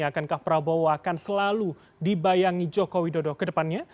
akankah prabowo akan selalu dibayangi joko widodo ke depannya